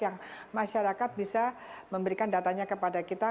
yang masyarakat bisa memberikan datanya kepada kita